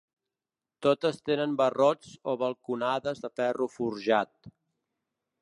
Totes tenen barrots o balconades de ferro forjat.